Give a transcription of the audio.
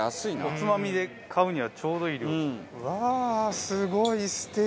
おつまみで買うにはちょうどいい量ですね。